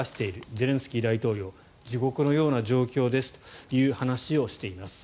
ゼレンスキー大統領地獄のような状況ですという話をしています。